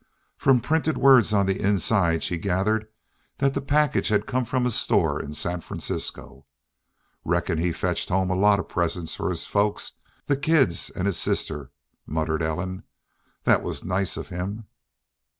From printed words on the inside she gathered that the package had come from a store in San Francisco. "Reckon he fetched home a lot of presents for his folks the kids and his sister," muttered Ellen. "That was nice of him.